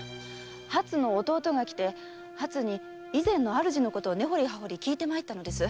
はつの弟が来てはつに以前の主のことを根ほり葉ほり聞いてまいったのです。